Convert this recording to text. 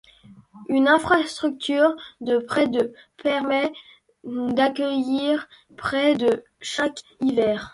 Une infrastructure de près de permet d'accueillir près de chaque hiver.